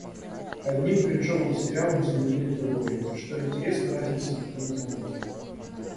Одним кринжовым сериалом заменили другой. Что интересно, разницы никто не заметил.